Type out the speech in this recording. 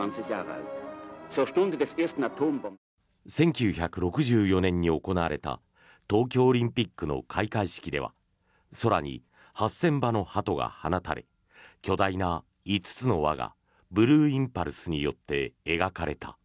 １９６４年に行われた東京オリンピックの開会式では空に８０００羽のハトが放たれ巨大な５つの輪がブルーインパルスによって描かれた。